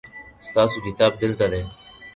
ستاسو کتاب دلته دی